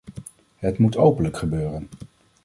Het moet openlijk gebeuren.